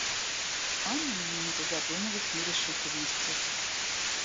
Анна на минуту задумалась в нерешительности.